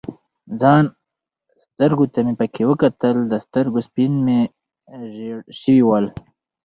ځان سترګو ته مې پکې وکتل، د سترګو سپین مې ژړ شوي ول.